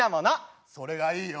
それがいいよ。